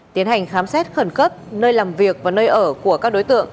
tiến hành khám xét khẩn cấp nơi làm việc và nơi ở của các đối tượng